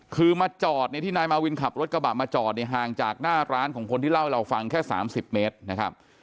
คือมาจอดเนี่ยที่นายมาวินขับรถกระบะมาจอดเนี่ยห่างจากหน้าร้านของคนที่เล่าให้เราฟังแค่๓๐เมตรนะครับ